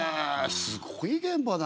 すごい現場だな。